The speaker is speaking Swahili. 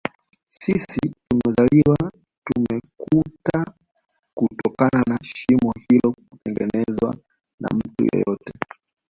Sisi tumezaliwa tumelikuta kutokana na shimo hilo kutotengenezwa na mtu yeyote